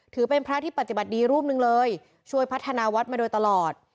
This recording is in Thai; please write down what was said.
ถือเป็นพระที่ปฏิบัติดีรูปหนึ่งเลยช่วยพัฒนาวัดมาโดยตลอด